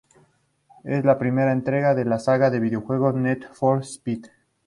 Es la primera entrega de la saga de videojuegos "Need for Speed".